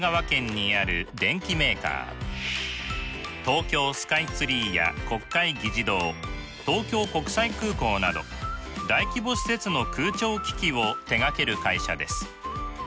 東京スカイツリーや国会議事堂東京国際空港など大規模施設の空調機器を手がける会社です。